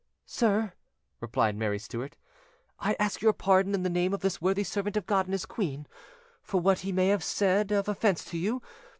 "Sir," replied Mary Stuart, "I ask your pardon, in the name of this worthy servant of God and his queen, for what he may have said of offence to you.